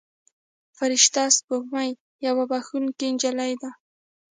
فرشته سپوږمۍ یوه بښونکې نجلۍ ده.